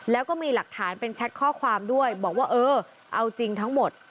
แล้วก็มีหลักฐานเป็นแชทข้อความด้วยบอกว่าเออเอาจริงทั้งหมด